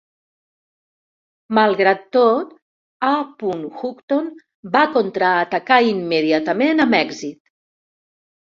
Malgrat tot, "A. Houghton" va contraatacar immediatament amb èxit.